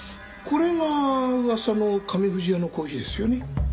これが噂の亀富士屋のコーヒーですよね？